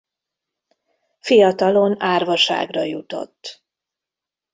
Fiatalon árvaságra jutott.